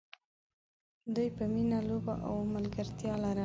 دوی به مینه، لوبه او ملګرتیا لرله.